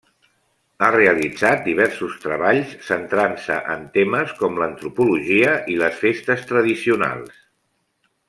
Ha realitzat diversos treballs centrant-se en temes com l'antropologia i les festes tradicionals.